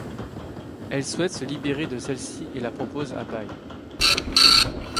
Elle souhaite se libérer de celle-ci et la propose à bail.